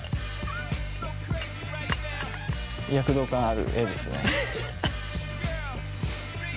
躍動感ある画ですね。